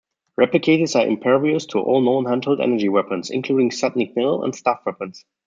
Replicators are impervious to all known handheld energy weapons, including zat'nik'tels and staff weapons.